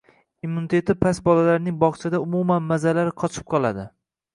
Immuniteti past bolalarning bog‘chada umuman mazalari qochib qoladi.